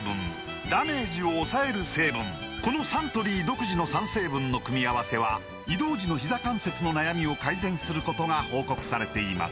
このサントリー独自の３成分の組み合わせは移動時のひざ関節の悩みを改善することが報告されています